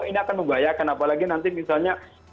ini akan membahayakan apalagi nanti misalnya